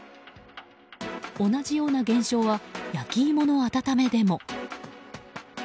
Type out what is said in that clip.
同じような現象は焼き芋の温めでも。